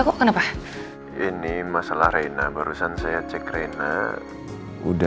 kalo kalau ngelupa kalau ga ternyata semua kita masuk sih